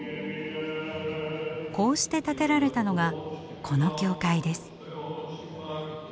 こうして建てられたのがこの教会です。